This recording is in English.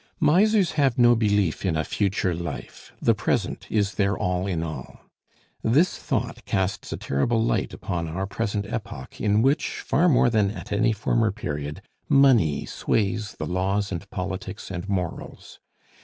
Misers have no belief in a future life; the present is their all in all. This thought casts a terrible light upon our present epoch, in which, far more than at any former period, money sways the laws and politics and morals.